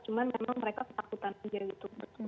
cuma memang mereka ketakutan aja gitu